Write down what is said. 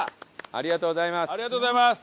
ありがとうございます！